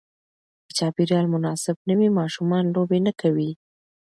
که چاپېریال مناسب نه وي، ماشومان لوبې نه کوي.